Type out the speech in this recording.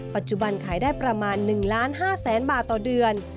ปัจจุบันขายได้ประมาณ๑๕๐๐๐๐๐บาทต่อเดือน